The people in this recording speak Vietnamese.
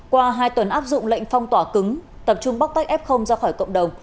qua hai tuần áp dụng lệnh phong tỏa cứng tập trung bóc tách f ra khỏi cộng đồng